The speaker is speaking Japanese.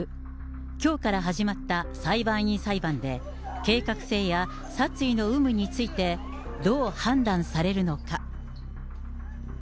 きょうから始まった裁判員裁判で、計画性や殺意の有無について、どう判断されるのか。